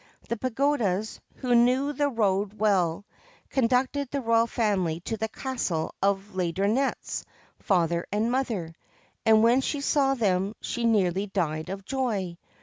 The pagodas, who knew the road well, conducted the royal family to the castle of Laideronnette's father and mother ; and when she saw them she nearly died of joy.